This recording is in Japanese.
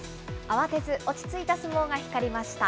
慌てず落ち着いた相撲が光りました。